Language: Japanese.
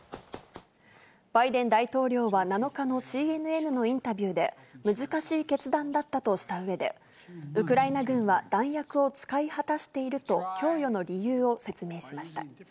バイデン大統領は７日のＣＮＮのインタビューで、難しい決断だったとしたうえで、ウクライナ軍は弾薬を使い果たしていると、供与の理由を説明しました。